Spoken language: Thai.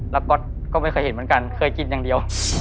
แล้วก็ไม่เคยเห็นเหมือนกันเคยกินอย่างเดียว